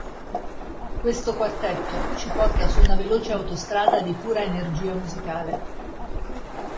Questo quartetto ci porta su una veloce autostrada di pura energia musicale.